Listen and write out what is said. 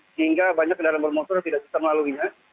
sehingga banyak kendaraan bermotor tidak sistem lalu ini